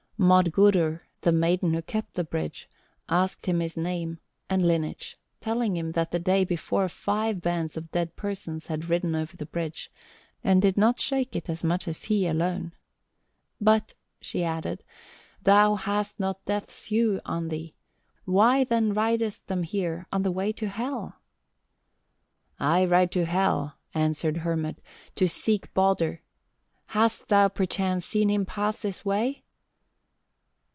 Modgudur, the maiden who kept the bridge, asked him his name and lineage, telling him that the day before five bands of dead persons had ridden over the bridge, and did not shake it so much as he alone. 'But,' she added, 'thou hast not death's hue on thee, why then ridest them here on the way to Hel?' "'I ride to Hel,' answered Hermod, 'to seek Baldur. Hast thou perchance seen him pass this way?'